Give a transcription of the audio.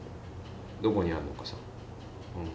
どこにあんのかさ。